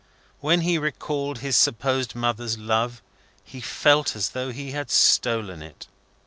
When he recalled his supposed mother's love, he felt as though he had stolen it.